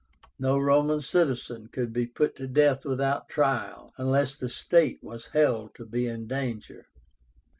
No Roman citizen could be put to death without trial, unless the state was held to be in danger.